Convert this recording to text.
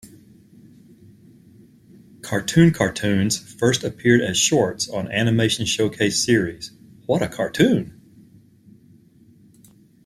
Cartoon Cartoons first appeared as shorts on animation showcase series What a Cartoon!